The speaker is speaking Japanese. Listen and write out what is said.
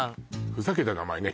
ふざけた名前ね